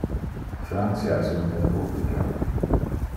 Francia es un republica.